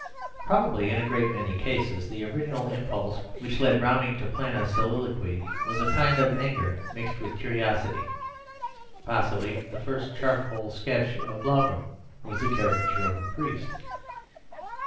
Probably in a great many cases, the original impulse which led Browning to plan a soliloquy was a kind of anger mixed with curiosity; possibly the first charcoal sketch of Blougram was a caricature of a priest.